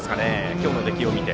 今日の出来を見て。